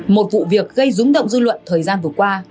một vụ việc gây rúng động dư luận thời gian vừa qua